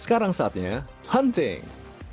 sekarang saatnya hunting